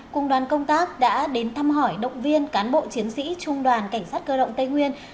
cùng đoàn công tác đã đến thăm hỏi động viên cán bộ chiến sĩ trung đoàn cảnh sát cơ động tây nguyên